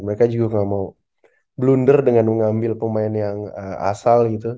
mereka juga gak mau blunder dengan mengambil pemain yang asal gitu